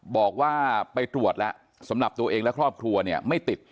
บอกว่าไปตรวจแล้วสำหรับตัวเองและครอบครัวเนี่ยไม่ติด